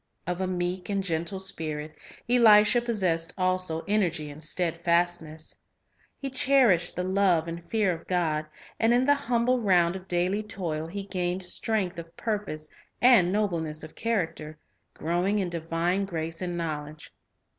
Of a meek and gentle spirit, Elisha possessed also energy and steadfastness. He cherished the love and Faithfulness f ear f God, and in the humble round of daily toil he in Little . 1 r 111 r 1 Things gained strength ot purpose and nobleness of character, growing in divine grace and knowledge.